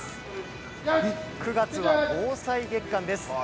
９月は防災月間です。